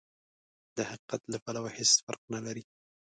د حقيقت له پلوه هېڅ فرق نه لري.